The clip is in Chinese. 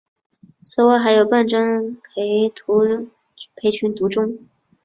此外还有笨珍培群独中。